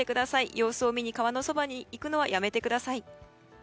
様子を見に川のそばに行くのはやめてください。